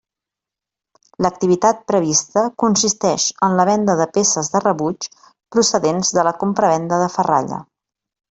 L'activitat prevista consisteix en la venda de peces de rebuig procedents de la compravenda de ferralla.